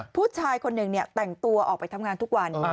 ผู้ชายคนหนึ่งแต่งตัวออกไปทำงานทุกวัน